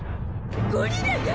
ゴリラが！？